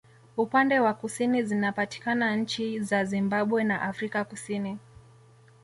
Upande wa kusini zinapatikana nchi za Zimbabwe na Afrika kusini